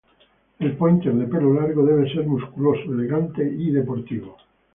El Pointer de pelo largo debe ser musculoso, elegante y deportivo.